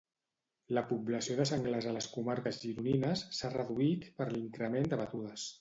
La població de senglars a les comarques gironines s'ha reduït per l'increment de batudes.